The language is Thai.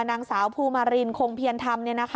นางสาวภูมารินคงเพียรธรรม